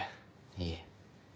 いえ。